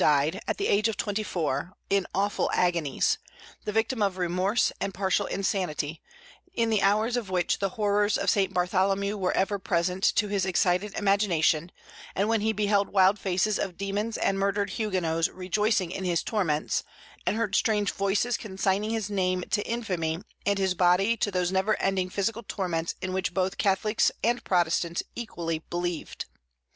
died, at the age of twenty four, in awful agonies, the victim of remorse and partial insanity, in the hours of which the horrors of St. Bartholomew were ever present to his excited imagination, and when he beheld wild faces of demons and murdered Huguenots rejoicing in his torments, and heard strange voices consigning his name to infamy and his body to those never ending physical torments in which both Catholics and Protestants equally believed.